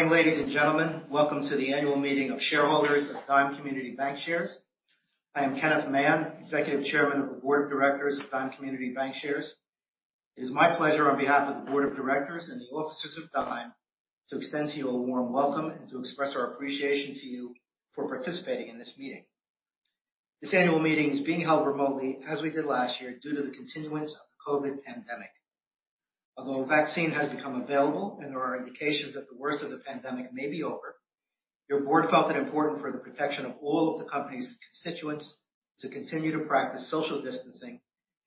Good morning, ladies and gentlemen. Welcome to the annual meeting of shareholders of Dime Community Bancshares. I am Kenneth Mann, Executive Chairman of the Board of Directors of Dime Community Bancshares. It is my pleasure on behalf of the Board of Directors and the officers of Dime to extend to you a warm welcome and to express our appreciation to you for participating in this meeting. This annual meeting is being held remotely, as we did last year, due to the continuance of the COVID pandemic. Although vaccines have become available and there are indications that the worst of the pandemic may be over, your Board felt it important for the protection of all of the company's constituents to continue to practice social distancing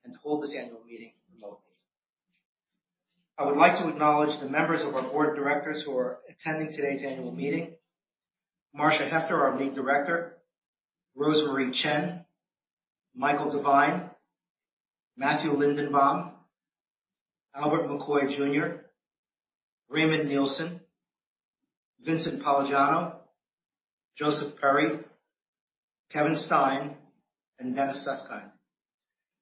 and hold this annual meeting remotely. I would like to acknowledge the members of our Board of Directors who are attending today's annual meeting. Marcia Z. Hefter, our Lead Director, Rosemarie Chen, Michael P. Devine, Matthew L. Lindenbaum, Albert E. McCoy, Jr., Raymond A. Nielsen, Vincent F. Palagiano, Joseph J. Perry, Kevin Stein, and Dennis A. Suskind.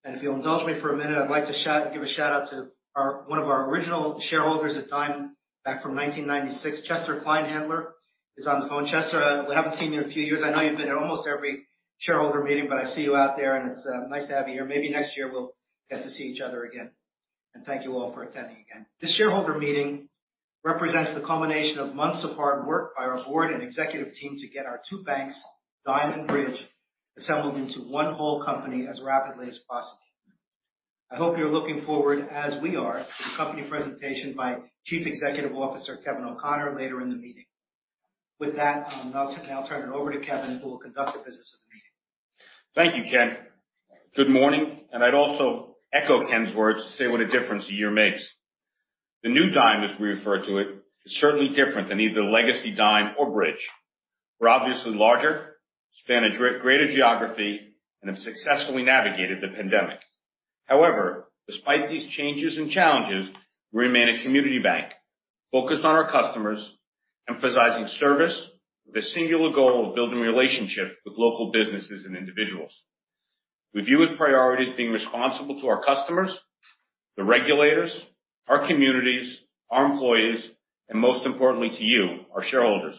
If you'll indulge me for a minute, I'd like to give a shout-out to one of our original shareholders at Dime back from 1996, Chester Kleinhandler is on the phone. Chester, we haven't seen you in a few years. I know you've been at almost every shareholder meeting, but I see you out there and it's nice to have you here. Maybe next year we'll get to see each other again. Thank you all for attending again. This shareholder meeting represents the culmination of months of hard work by our Board and Executive Team to get our two banks, Dime and Bridge, assembled into one whole company as rapidly as possible. I hope you're looking forward, as we are, to the company presentation by Chief Executive Officer Kevin O'Connor later in the meeting. With that, I'll now turn it over to Kevin, who will conduct the business of the meeting. Thank you, Ken. Good morning, and I'd also echo Ken's words to say what a difference a year makes. The new Dime, as we refer to it, is certainly different than either legacy Dime or Bridge. We're obviously larger, span a greater geography, and have successfully navigated the pandemic. However, despite these changes and challenges, we remain a community bank focused on our customers, emphasizing service with a singular goal of building relationships with local businesses and individuals. We view with priority as being responsible to our customers, the regulators, our communities, our employees, and most importantly to you, our shareholders.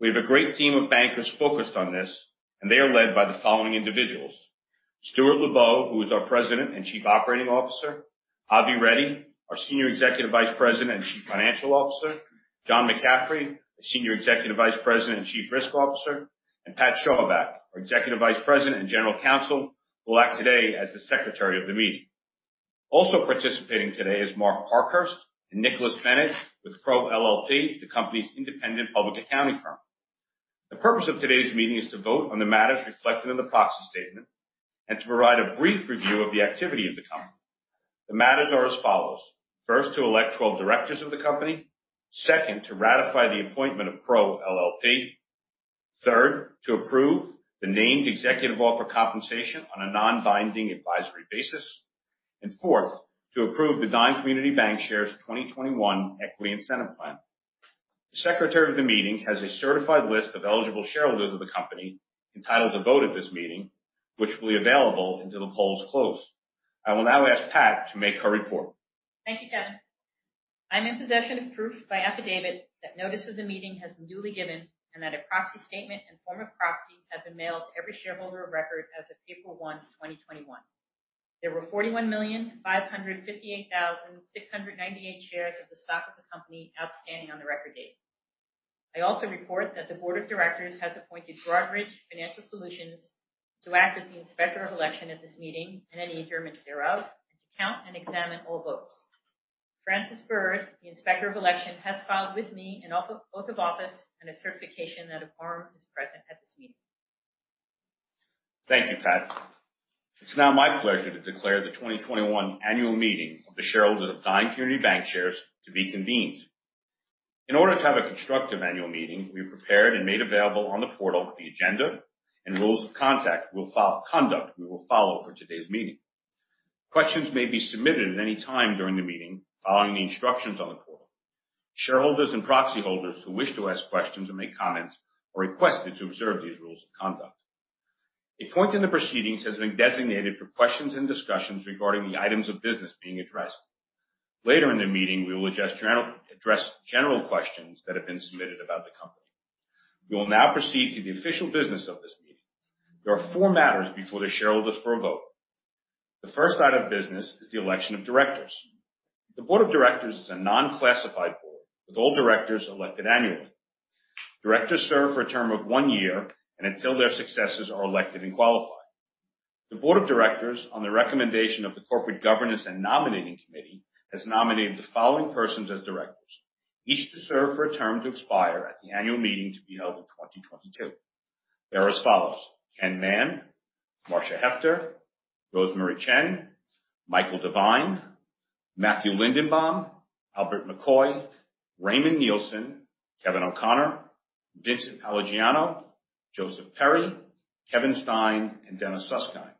We have a great team of bankers focused on this, and they are led by the following individuals. Stuart Lubow, who is our President and Chief Operating Officer, Avinash Reddy, our Senior Executive Vice President and Chief Financial Officer, John M. McCaffery, Senior Executive Vice President and Chief Risk Officer, and Patricia Schaubeck, our Executive Vice President and General Counsel, who will act today as the Secretary of the meeting. Also participating today is Mark Parkhurst and Nicholas Venitz with Crowe LLP, the company's independent public accounting firm. The purpose of today's meeting is to vote on the matters reflected in the proxy statement and to provide a brief review of the activity of the company. The matters are as follows: First, to elect all directors of the company. Second, to ratify the appointment of Crowe LLP. Third, to approve the named executive offer compensation on a non-binding advisory basis. Fourth, to approve the Dime Community Bancshares, Inc. 2021 Equity Incentive Plan. The secretary of the meeting has a certified list of eligible shareholders of the company entitled to vote at this meeting, which will be available until the polls close. I will now ask Pat to make her report. Thank you, Kevin. I'm in possession of proof by affidavit that notice of the meeting has been duly given and that a proxy statement and form of proxy has been mailed to every shareholder of record as of April 1, 2021. There were 41,558,698 shares of the stock of the company outstanding on the record date. I also report that the board of directors has appointed Broadridge Financial Solutions to act as the Inspector of Election at this meeting and any adjournment thereof, and to count and examine all votes. Francis Burrage, the Inspector of Election, has filed with me an oath of office and a certification that a quorum is present at this meeting. Thank you, Pat. It's now my pleasure to declare the 2021 annual meeting of the shareholders of Dime Community Bancshares to be convened. In order to have a constructive annual meeting, we have prepared and made available on the portal the agenda and rules of conduct we will follow for today's meeting. Questions may be submitted at any time during the meeting, following the instructions on the portal. Shareholders and proxy holders who wish to ask questions or make comments are requested to observe these rules of conduct. A point in the proceedings has been designated for questions and discussions regarding the items of business being addressed. Later in the meeting, we will address general questions that have been submitted about the company. We will now proceed to the official business of this meeting. There are four matters before the shareholders for a vote. The first item of business is the election of directors. The board of directors is a non-classified board, with all directors elected annually. Directors serve for a term of one year and until their successors are elected and qualified. The board of directors, on the recommendation of the Corporate Governance and Nominating Committee, has nominated the following persons as directors, each to serve for a term to expire at the annual meeting to be held in 2022. They are as follows: Kenneth Mann, Marcia Z. Heffner, Rosemarie Chen, Michael P. Devine, Matthew L. Lindenbaum, Albert E. McCoy, Jr., Raymond A. Nielsen, Kevin M. O'Connor, Vincent F. Palagiano, Joseph J. Perry, Kevin Stein, and Dennis A. Suskind.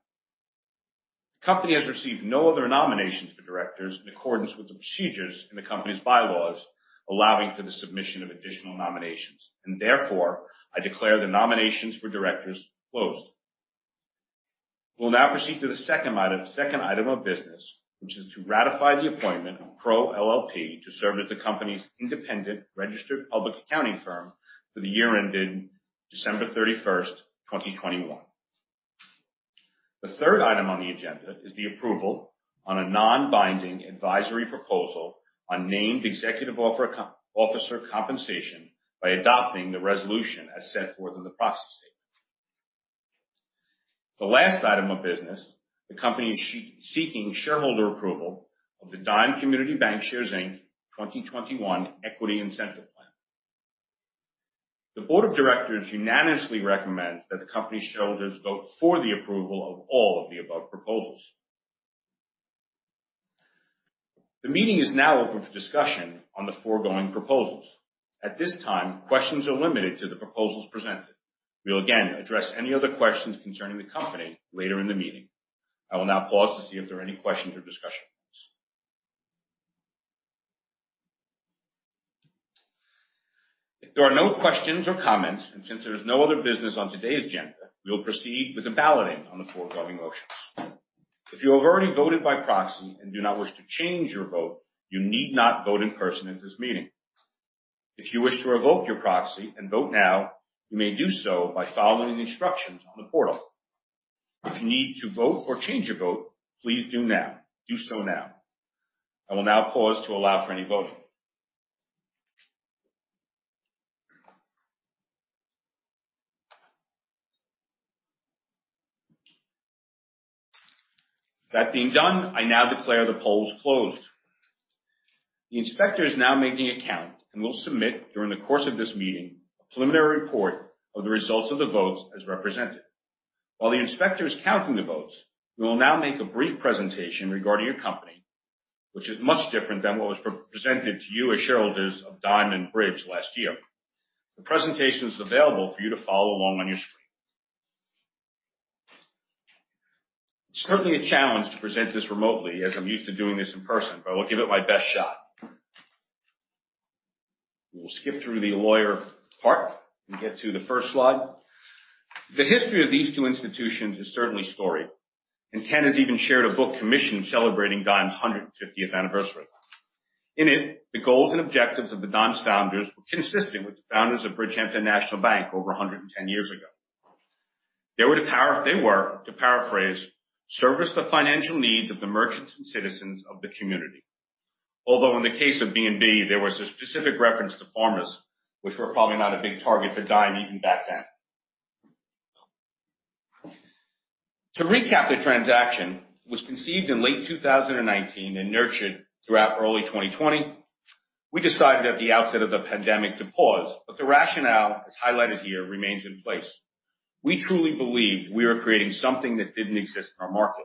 The company has received no other nominations for directors in accordance with the procedures in the company's bylaws allowing for the submission of additional nominations. Therefore, I declare the nominations for directors closed. We'll now proceed to the second item of business, which is to ratify the appointment of Crowe LLP to serve as the company's independent registered public accounting firm for the year ending December 31st, 2021. The third item on the agenda is the approval on a non-binding advisory proposal on named executive officer compensation by adopting the resolution as set forth in the proxy statement. The last item of business, the company is seeking shareholder approval of the Dime Community Bancshares, Inc. 2021 Equity Incentive Plan. The board of directors unanimously recommends that the company shareholders vote for the approval of all of the above proposals. The meeting is now open for discussion on the foregoing proposals. At this time, questions are limited to the proposals presented. We will again address any other questions concerning the company later in the meeting. I will now pause to see if there are any questions or discussions. If there are no questions or comments, since there's no other business on today's agenda, we will proceed with a balloting on the foregoing motions. If you have already voted by proxy and do not wish to change your vote, you need not vote in person at this meeting. If you wish to revoke your proxy and vote now, you may do so by following the instructions on the portal. If you need to vote or change your vote, please do so now. I will now pause to allow for any voting. That being done, I now declare the polls closed. The inspector is now making a count and will submit during the course of this meeting a preliminary report of the results of the votes as represented. While the inspector is counting the votes, we will now make a brief presentation regarding your company, which is much different than what was presented to you as shareholders of Dime and Bridge last year. The presentation is available for you to follow along on your screen. It's certainly a challenge to present this remotely, as I'm used to doing this in person, but I'll give it my best shot. We'll skip through the lawyer part and get to the first slide. The history of these two institutions is certainly storied, and Kenneth Mann has even chaired a book commission celebrating Dime's 150th anniversary. In it, the goals and objectives of the Dime's founders were consistent with the founders of Bridgehampton National Bank over 110 years ago. They were, to paraphrase, service the financial needs of the merchants and citizens of the community. Although in the case of BNB, there was a specific reference to farmers, which were probably not a big target for Dime even back then. To recap, the transaction was conceived in late 2019 and nurtured throughout early 2020. We decided at the outset of the pandemic to pause, but the rationale, as highlighted here, remains in place. We truly believe we are creating something that didn't exist in our market.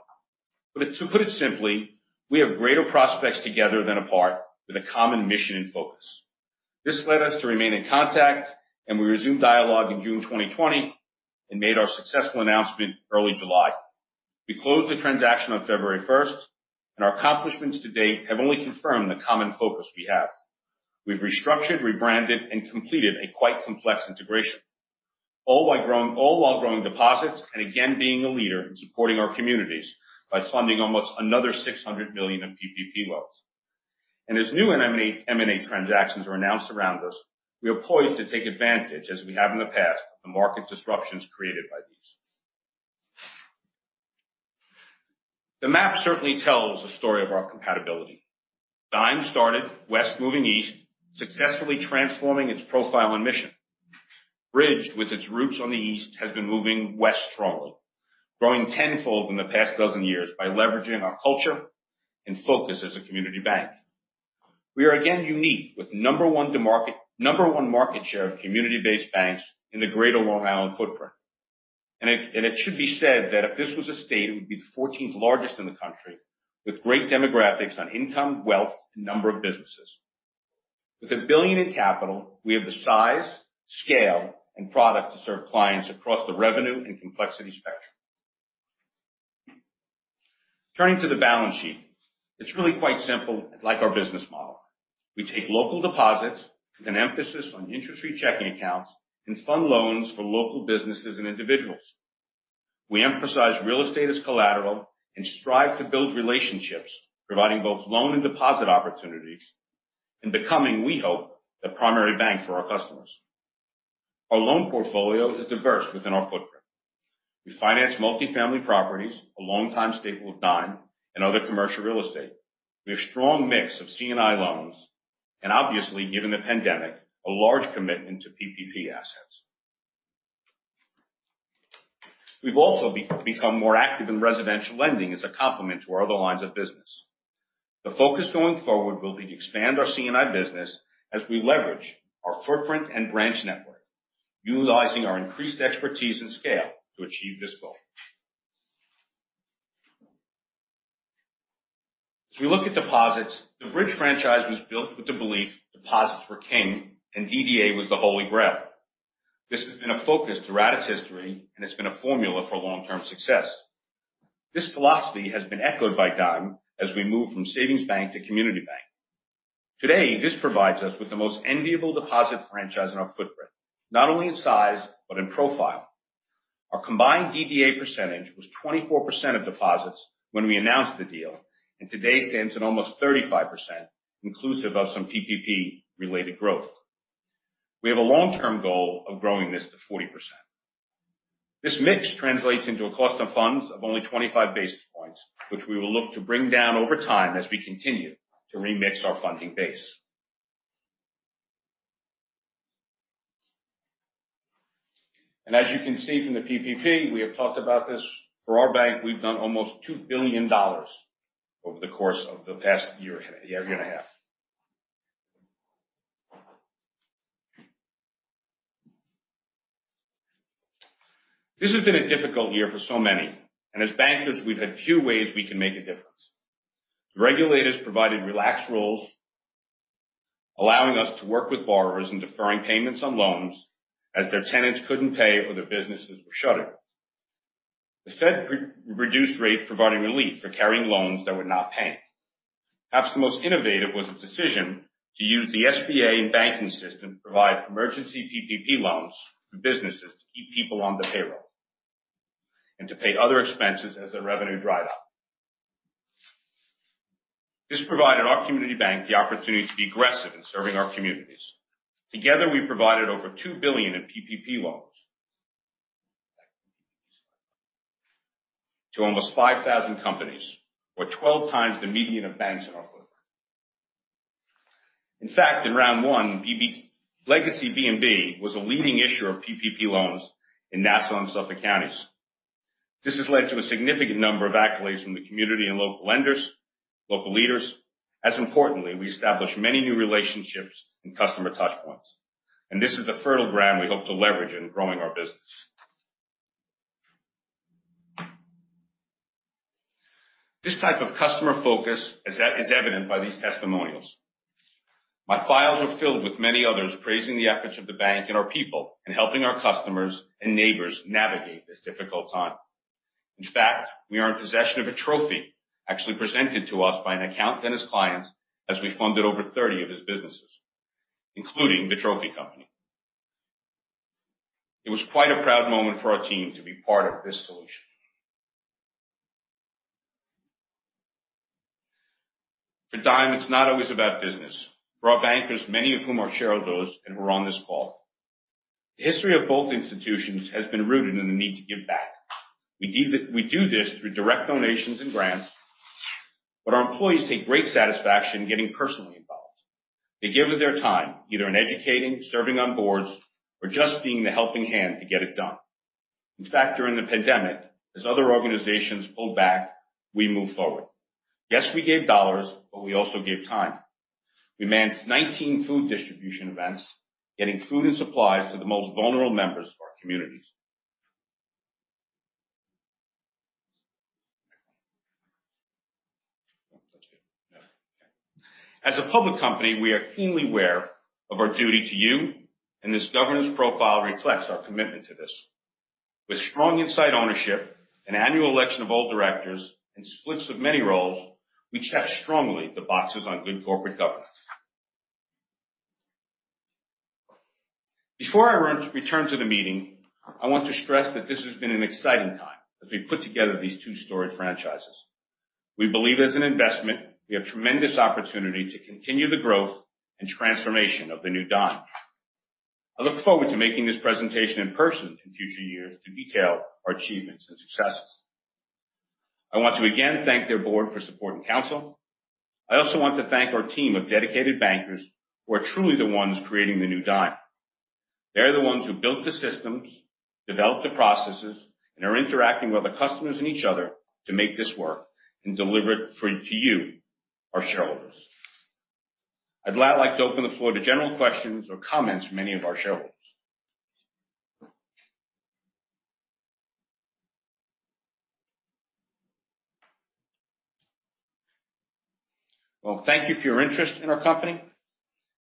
To put it simply, we have greater prospects together than apart with a common mission and focus. This led us to remain in contact, and we resumed dialogue in June 2020 and made our successful announcement early July. We closed the transaction on February 1st, and our accomplishments to date have only confirmed the common focus we have. We've restructured, rebranded, and completed a quite complex integration. All while growing deposits and again being a leader in supporting our communities by funding almost another $600 million of PPP loans. As new M&A transactions are announced around us, we are poised to take advantage, as we have in the past, of the market disruptions created by these. The map certainly tells the story of our compatibility. Dime started west moving east, successfully transforming its profile and mission. Bridge, with its roots on the east, has been moving west strongly, growing 10-fold in the past dozen years by leveraging our culture and focus as a community bank. We are again unique with number one market share of community-based banks in the Greater Long Island footprint. It should be said that if this was a state, it would be the 14th largest in the country, with great demographics on income, wealth, and number of businesses. With $1 billion in capital, we have the size, scale, and product to serve clients across the revenue and complexity spectrum. Turning to the balance sheet, it's really quite simple, like our business model. We take local deposits with an emphasis on interest-free checking accounts and fund loans for local businesses and individuals. We emphasize real estate as collateral and strive to build relationships, providing both loan and deposit opportunities and becoming, we hope, the primary bank for our customers. Our loan portfolio is diverse within our footprint. We finance multifamily properties, a longtime staple of Dime, and other commercial real estate. We have a strong mix of C&I loans, and obviously, given the pandemic, a large commitment to PPP assets. We've also become more active in residential lending as a complement to our other lines of business. The focus going forward will be to expand our C&I business as we leverage our footprint and branch network, utilizing our increased expertise and scale to achieve this goal. As we look at deposits, the Bridge franchise was built with the belief deposits were king and DDA was the holy grail. This has been a focus throughout its history, and it's been a formula for long-term success. This philosophy has been echoed by Dime as we move from savings bank to community bank. Today, this provides us with the most enviable deposit franchise in our footprint, not only in size but in profile. Our combined DDA percentage was 24% of deposits when we announced the deal, and today stands at almost 35%, inclusive of some PPP-related growth. We have a long-term goal of growing this to 40%. This mix translates into a cost of funds of only 25 basis points, which we will look to bring down over time as we continue to remix our funding base. As you can see from the PPP, we have talked about this. For our bank, we've done almost $2 billion over the course of the past year and a half. This has been a difficult year for so many, and as bankers, we've had few ways we can make a difference. The regulators provided relaxed rules allowing us to work with borrowers in deferring payments on loans as their tenants couldn't pay or their businesses were shuttered. The Fed reduced rates providing relief for carrying loans that would not pay. Perhaps the most innovative was the decision to use the SBA and banking system to provide emergency PPP loans for businesses to keep people on the payroll and to pay other expenses as their revenue dried up. This provided our community bank the opportunity to be aggressive in serving our communities. Together, we provided over $2 billion in PPP loans to almost 5,000 companies or 12 times the median of banks in our footprint. In fact, in round one, legacy BNB Bank was a leading issuer of PPP loans in Nassau and Suffolk Counties. This has led to a significant number of accolades from the community and local lenders, local leaders. As importantly, we established many new relationships and customer touch points, and this is the fertile ground we hope to leverage in growing our business. This type of customer focus is evident by these testimonials. My files are filled with many others praising the efforts of the bank and our people in helping our customers and neighbors navigate this difficult time. In fact, we are in possession of a trophy actually presented to us by an account dentist client as we funded over 30 of his businesses, including the trophy company. It was quite a proud moment for our team to be part of this solution. For Dime, it's not always about business. For our bankers, many of whom are shareholders, and were on this call, the history of both institutions has been rooted in the need to give back. We do this through direct donations and grants, but our employees take great satisfaction in getting personally involved. They give it their time, either in educating, serving on boards, or just being the helping hand to get it done. During the pandemic, as other organizations pulled back, we moved forward. We gave dollars, but we also gave time. We managed 19 food distribution events, getting food and supplies to the most vulnerable members of our communities. As a public company, we are keenly aware of our duty to you, and this governance profile reflects our commitment to this. With strong inside ownership, an annual election of all Directors, and splits of many roles, we check strongly the boxes on good corporate governance. Before I return to the meeting, I want to stress that this has been an exciting time as we put together these two-story franchises. We believe as an investment, we have tremendous opportunity to continue the growth and transformation of the new Dime. I look forward to making this presentation in person in future years to detail our achievements and successes. I want to again thank their board for support and counsel. I also want to thank our team of dedicated bankers who are truly the ones creating the new Dime. They're the ones who built the systems, developed the processes, and are interacting with our customers and each other to make this work and deliver it to you, our shareholders. I'd now like to open the floor to general questions or comments from any of our shareholders. Well, thank you for your interest in our company.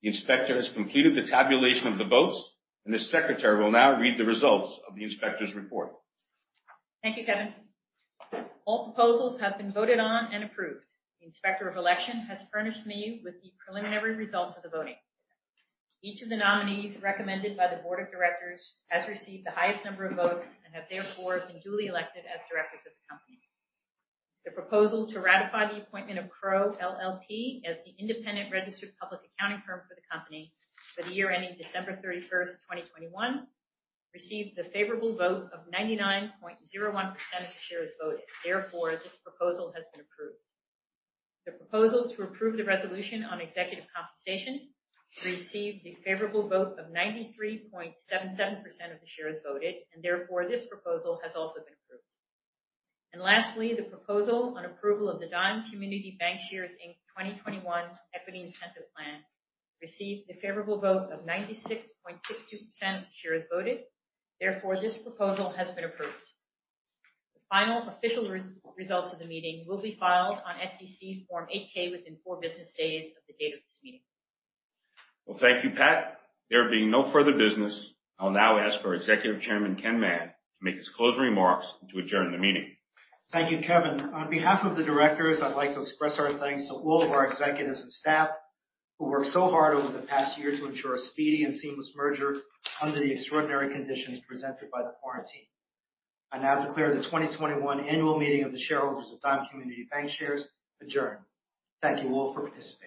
The inspector has completed the tabulation of the votes, and the secretary will now read the results of the inspector's report. Thank you, Kevin. All proposals have been voted on and approved. The Inspector of Election has furnished me with the preliminary results of the voting. Each of the nominees recommended by the board of directors has received the highest number of votes and have therefore been duly elected as directors of the company. The proposal to ratify the appointment of Crowe LLP as the independent registered public accounting firm for the company for the year ending December 31, 2021, received the favorable vote of 99.01% of the shares voted. This proposal has been approved. The proposal to approve the resolution on executive compensation received the favorable vote of 93.77% of the shares voted, therefore this proposal has also been approved. Lastly, the proposal on approval of the Dime Community Bancshares, Inc. 2021 Equity Incentive Plan received the favorable vote of 96.62% of the shares voted. Therefore, this proposal has been approved. The final official results of the meeting will be filed on SEC Form 8-K within four business days of the date of this meeting. Well, thank you, Pat. There being no further business, I will now ask for Executive Chairman Ken Mann to make his closing remarks and to adjourn the meeting. Thank you, Kevin. On behalf of the directors, I'd like to express our thanks to all of our executives and staff who worked so hard over the past year to ensure a speedy and seamless merger under the extraordinary conditions presented by the quarantine. I now declare the 2021 annual meeting of the shareholders of Dime Community Bancshares adjourned. Thank you all for participating.